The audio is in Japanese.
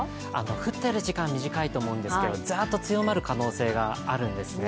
降っている時間は短いと思うんですけど、ザーッと強まる可能性があるんですね。